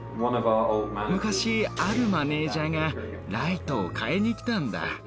昔あるマネージャーがライトを替えに来たんだ。